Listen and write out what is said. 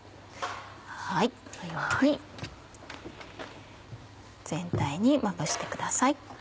このように全体にまぶしてください。